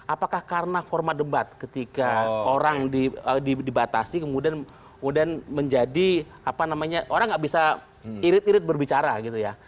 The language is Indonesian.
apakah karena format debat ketika orang dibatasi kemudian menjadi apa namanya orang nggak bisa irit irit berbicara gitu ya